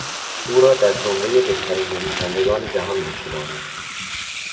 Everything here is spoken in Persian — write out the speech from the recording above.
او را در زمرهی بهترین نویسندگان جهان میشمارم.